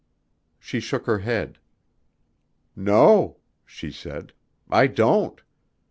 She shook her head. "No," she said, "I don't.